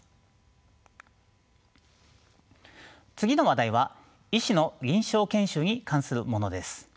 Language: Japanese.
次の話題は医師の臨床研修に関するものです。